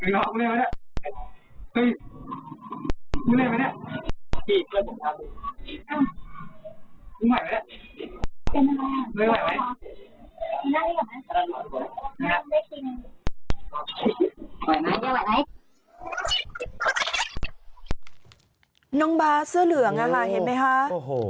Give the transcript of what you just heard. น้องบาเสื้อเหลืองอ่ะเห็นมั้ยฮะน้องไม่ได้กินข้าวนั่งรอตัดผมจนเป็นลมกลางที่น้องบาเสื้อเหลืองอ่ะเห็นมั้ยฮะ